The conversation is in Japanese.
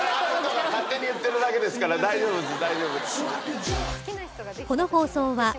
勝手に言ってるだけですから大丈夫です。